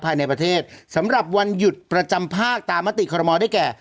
ภายในประเทศสำหรับวันหยุดประจำภาคตามมติคอรมอลได้แก่